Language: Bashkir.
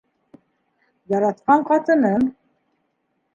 Яратҡан ҡатыным!